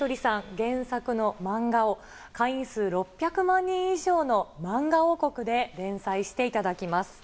原作の漫画を、会員数６００万人以上のまんが王国で連載していただきます。